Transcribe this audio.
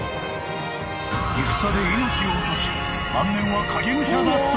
［戦で命を落とし晩年は影武者だった！？］